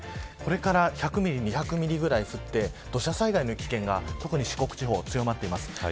これから１００ミリ２００ミリぐらい降って土砂災害の危険が、特に四国地方で強まっています。